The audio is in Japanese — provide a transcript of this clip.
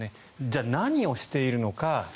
じゃあ、何をしているのか。